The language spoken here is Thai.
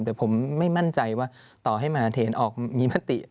แต่ผมไม่มั่นใจว่าต่อให้มหาเทนออกมีมติ